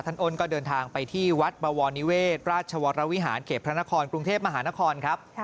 อ้นก็เดินทางไปที่วัดบวรนิเวศราชวรวิหารเขตพระนครกรุงเทพมหานครครับ